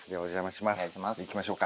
行きましょうか。